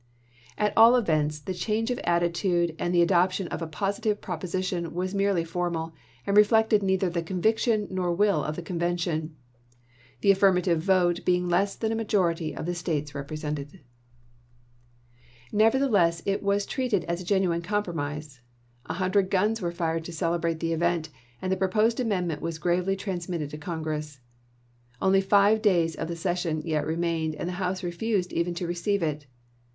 At all events the change of attitude and the adoption of a positive proposition was merely formal and reflected neither the conviction nor will of the convention ; the affirmative vote being less than a majority of the States represented. FAILURE OF COMPROMISE 233 Nevertheless it was treated as a genuine compro chap. xiv. mise. A hundred guns were fired to celebrate the event, and the proposed amendment was gravely transmitted to Congress. Only five days of the session yet remained and the House refused even to receive it.